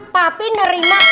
papi nerima klien cantik yaa